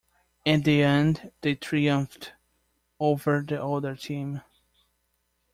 In the end, they triumphed over the other team.